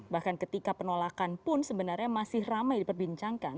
bahkan ketika penolakan pun sebenarnya masih ramai diperbincangkan